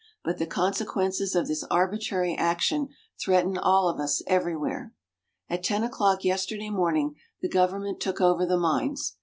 But the consequences of this arbitrary action threaten all of us everywhere. At ten o'clock yesterday morning the government took over the mines.